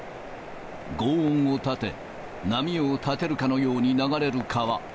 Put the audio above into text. ごう音を立て、波を立てるかのように流れる川。